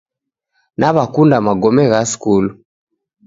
Nawakunda magome gha skulu.